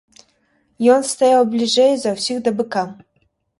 Ён стаяў бліжэй за ўсіх да быка.